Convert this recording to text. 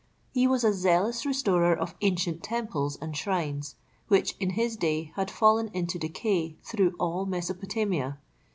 He was a zealous restorer of ancient temples and shrines, which in his day had fallen into decay through all Mesopotamia.